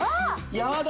やだ。